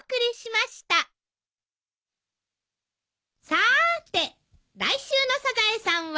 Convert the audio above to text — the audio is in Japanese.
さーて来週の『サザエさん』は？